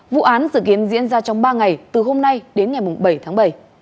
vụ án dự kiến diễn ra trong ba ngày từ hôm nay đến ngày bảy tháng bảy